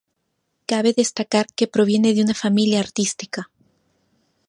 Cabe destacar que proviene de una familia artística.